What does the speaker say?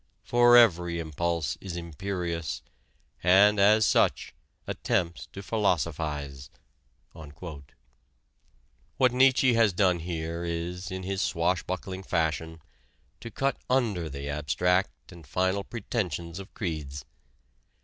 For every impulse is imperious, and, as such, attempts to philosophize." What Nietzsche has done here is, in his swashbuckling fashion, to cut under the abstract and final pretensions of creeds.